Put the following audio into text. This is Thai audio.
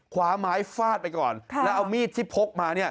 คว้าไม้ฟาดไปก่อนแล้วเอามีดที่พกมา